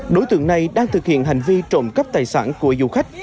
đối tượng này đang thực hiện hành vi trộm cắp tài sản của du khách